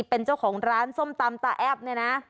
เป็นเจ้าของร้านส้มตำตาแอ๊บเนี่ยนะ